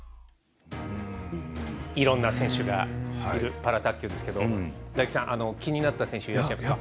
いろんな選手がいるパラ卓球ですけれども大吉さん、気になった選手いらっしゃいますか？